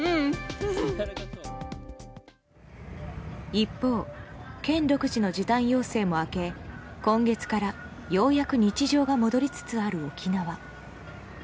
一方、県独自の時短要請も明け今月からようやく日常が戻りつつある沖縄。